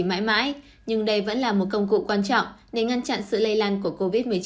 mãi mãi nhưng đây vẫn là một công cụ quan trọng để ngăn chặn sự lây lan của covid một mươi chín